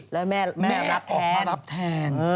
แล้วแม่รับแทน